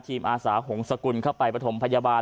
ที่อาศาโหงศกุลเข้ามาบทมพยาบาล